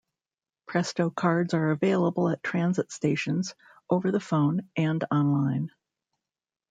Presto cards are available at transit stations, over the phone and online.